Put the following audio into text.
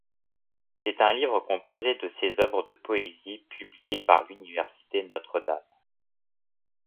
C’est un livre composé de ses œuvres de poésie publié par l’Université Notre Dame.